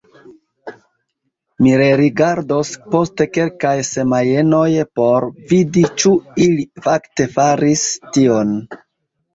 Mi rerigardos post kelkaj semajnoj por vidi ĉu ili fakte faris tion.